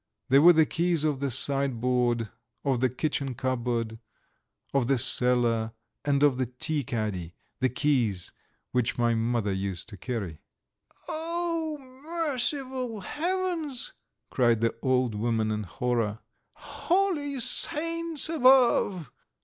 They were the keys of the sideboard, of the kitchen cupboard, of the cellar, and of the tea caddy, the keys which my mother used to carry. "Oh, merciful heavens!" cried the old woman in horror. "Holy Saints above!"